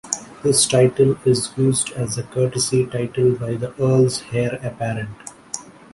This title is used as the courtesy title by the Earl's heir apparent.